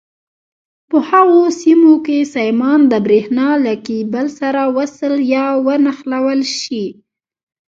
په هغو کې سیمان د برېښنا له کېبل سره وصل یا ونښلول شي.